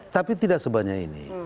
tapi tidak sebanyak ini